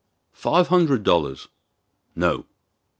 'Five hundred dollars!' 'No.